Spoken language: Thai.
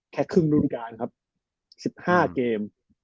แค่ครึ่งรุ่นการครับ๑๕เกม